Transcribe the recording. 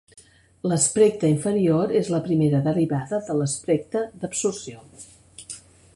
L'espectre inferior és la primera derivada de l'espectre d'absorció.